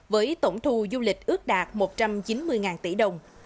với tổng thu du lịch ước đạt một trăm chín mươi tỷ đồng